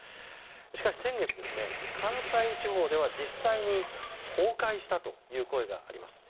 しかし、先月関西地方では実際に崩壊したという声があります。